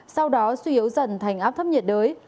sau đó suy yếu dần thành áp thấp nhiệt đới